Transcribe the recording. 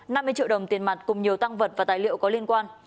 năm mươi triệu đồng tiền mặt cùng nhiều tăng vật và tài liệu có liên quan